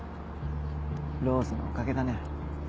ローズのおかげだね。